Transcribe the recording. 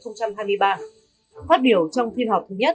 phát biểu trong phiên họp thứ nhất